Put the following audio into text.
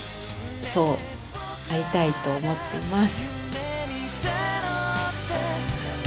そうありたいと思っています。